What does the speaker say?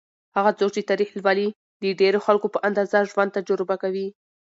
هغه څوک چې تاریخ لولي، د ډېرو خلکو په اندازه ژوند تجربه کوي.